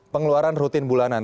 pengeluaran rutin bulanan